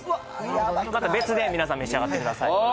やばい別で皆さん召し上がってください